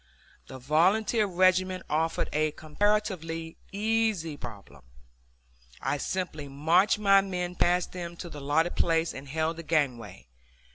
The volunteer regiment offered a comparatively easy problem. I simply marched my men past them to the allotted place and held the gangway.